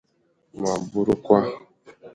ma bụrụkwa